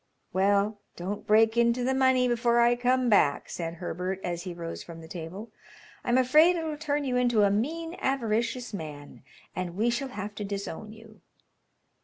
"Well, don't break into the money before I come back," said Herbert as he rose from the table. "I'm afraid it'll turn you into a mean, avaricious man, and we shall have to disown you."